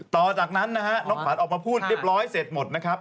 ต่อจากนั้นนะฮะน้องขวัญออกมาพูดเรียบร้อยเสร็จหมดนะครับ